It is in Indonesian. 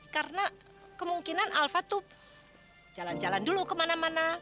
karena kemungkinan alva tuh jalan jalan dulu kemana mana